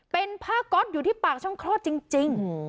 เป็นผ้าก๊อตอยู่ที่ปากช่องคลอดจริง